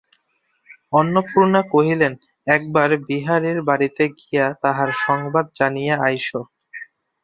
অন্নপূর্ণা কহিলেন, একবার বিহারীর বাড়িতে গিয়া তাহার সংবাদ জানিয়া আইস।